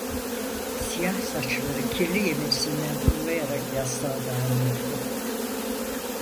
Siyah saçları kirli yemenisinden fırlayarak yastığa dağılıyordu.